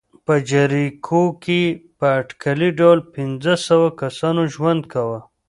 په جریکو کې په اټکلي ډول پنځه سوه کسانو ژوند کاوه.